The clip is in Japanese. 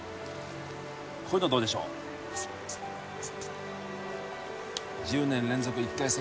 こういうのどうでしょう１０年連続１回戦